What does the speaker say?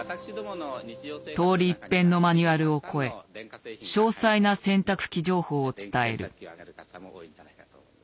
通りいっぺんのマニュアルを超え詳細な洗濯機情報を伝える。